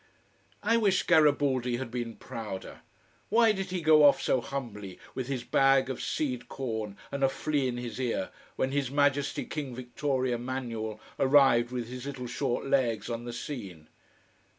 I wish Garibaldi had been prouder. Why did he go off so humbly, with his bag of seed corn and a flea in his ear, when His Majesty King Victor Emmanuel arrived with his little short legs on the scene.